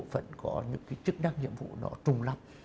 bộ phận có những cái chức năng nhiệm vụ nó trùng lắm